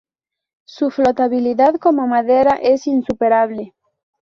Su flotabilidad como madera es insuperable.